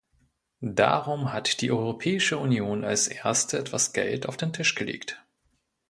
Darum hat die Europäische Union als erste etwas Geld auf den Tisch gelegt.